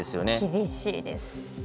厳しいです。